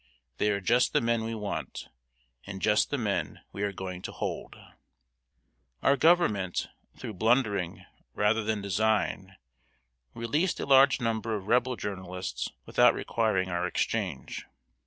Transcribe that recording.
They are just the men we want, and just the men we are going to hold." Our Government, through blundering rather than design, released a large number of Rebel journalists without requiring our exchange.